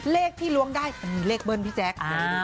เลขที่ล้วงได้มันมีเลขเบิ้ลพี่แจ๊ค